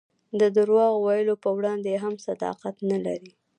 د درواغ ویلو په وړاندې هم صداقت نه لري.